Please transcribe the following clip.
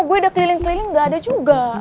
gue udah keliling keliling nggak ada juga